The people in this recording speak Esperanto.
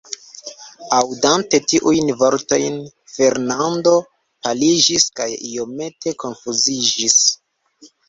Aŭdante tiujn vortojn, Fernando paliĝis kaj iomete konfuziĝis.